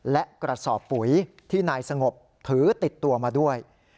และกระสอบปุ๋ยที่นายสงบถือติดตัวมาด้วย